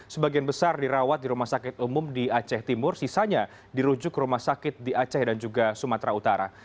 sebagian besar dirawat di rumah sakit umum di aceh timur sisanya dirujuk ke rumah sakit di aceh dan juga sumatera utara